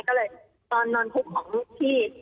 ก็เลยตอนนอนคุกของพี่